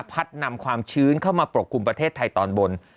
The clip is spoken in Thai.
นำความชื้นเข้ามาปกกลุ่มประเทศไทยตอนบน